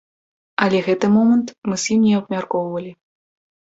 Але гэты момант мы з ім не абмяркоўвалі.